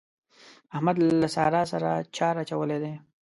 احمد له سارا سره چار اچولی دی.